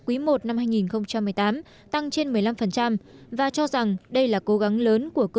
quý i năm hai nghìn một mươi tám tăng trên một mươi năm và cho rằng đây là cố gắng lớn của cơ quan chức năng